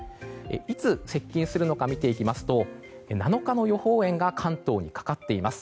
いつ、接近するのか見ていきますと、７日の予報円が関東にかかっています。